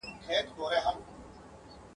شپاړس مي لمسي دي یو تر بله راته ګران دي ..